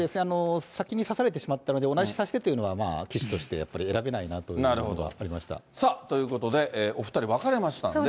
先に指されてしまったので、同じ指し手というのは棋士としてやっぱり選べないなというのがあさあ、ということで、お２人分かりましたんで。